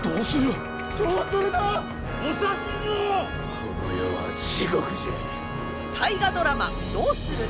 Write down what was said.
この世は地獄じゃ。